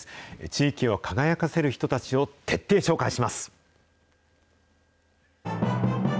地域を輝かせる人たちを徹底紹介します。